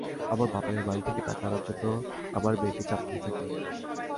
আবার বাপের বাড়ি থেকে টাকা আনার জন্যে আমার মেয়েকে চাপ দিতে থাকে।